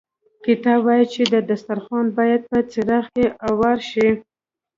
کتاب وايي چې دسترخوان باید په باغ کې اوار شي.